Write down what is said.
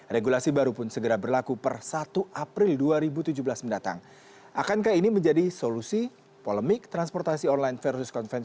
regulasi baru pun segera berlaku per satu april dua ribu tujuh belas mendatang